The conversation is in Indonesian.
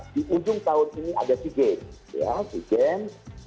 di ujung tahun ini ada cigen ya cigen